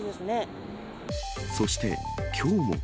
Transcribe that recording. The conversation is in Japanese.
そして、きょうも。